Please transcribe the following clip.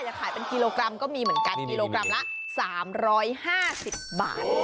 จะขายเป็นกิโลกรัมก็มีเหมือนกันกิโลกรัมละ๓๕๐บาท